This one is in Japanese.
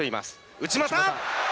内股！